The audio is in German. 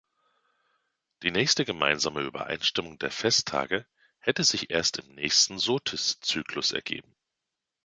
Die nächste gemeinsame Übereinstimmung der Festtage hätte sich erst im nächsten Sothis-Zyklus ergeben.